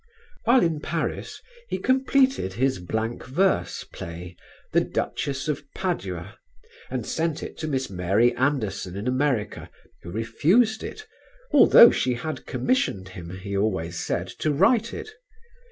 While in Paris he completed his blank verse play, "The Duchess of Padua," and sent it to Miss Mary Anderson in America, who refused it, although she had commissioned him, he always said, to write it.